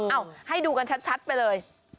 เอาให้ดูกันชัดไปเลย